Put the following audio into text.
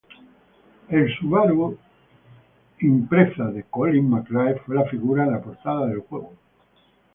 El Subaru Impreza de Colín McRae fue la figura en la portada del juego.